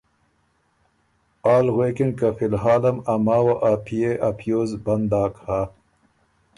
آ ل غوېکِن که ”فی الحاله م ا ماوه ا پئے ا پیوز بند داک هۀ۔